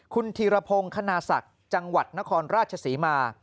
คุณธีรพงศ์คณาศักดิ์จังหวัดนครราชศรีมา